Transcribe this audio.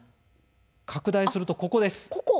拡大すると、ここです。